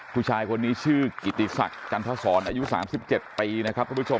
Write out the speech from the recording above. ผู้ชายคนนี้ชื่อกิติศักดิ์จันทสอนอายุ๓๗ปี